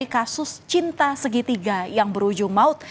kasus cinta segitiga yang berujung maut